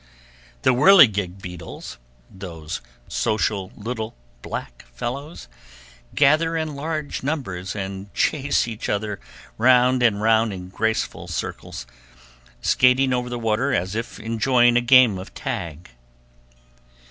The whirligig beetles, those social little black fellows, gather in large numbers and chase each other round and round in graceful curves, skating over the water as if enjoying a game of tag.